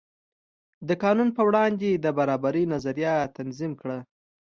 د قانون په وړاندې د برابرۍ نظریه تنظیم کړه.